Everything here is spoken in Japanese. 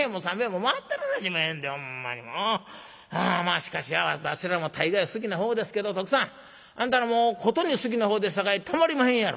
しかし私らも大概好きな方ですけど徳さんあんたらもうことに好きな方ですさかいたまりまへんやろ？」。